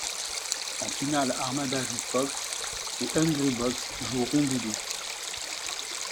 En finale, Armada joue Fox et Hungrybox joue Rondoudou.